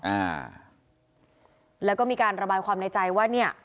อ่าแล้วก็มีการระบายความในใจว่าเนี่ย